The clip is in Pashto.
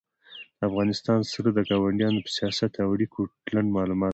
د افغانستان سره د کاونډیانو په سیاست او اړیکو لنډ معلومات راکړه